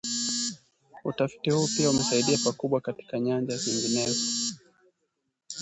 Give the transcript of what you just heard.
Utafiti huu pia umesaidia pakubwa katika nyanja zinginezo